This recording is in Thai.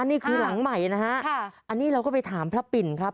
นี่คือหลังใหม่นะฮะอันนี้เราก็ไปถามพระปิ่นครับ